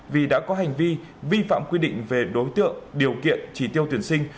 vì đã có hành vi vi phạm quy định về đối tượng điều kiện chỉ tiêu tuyển sinh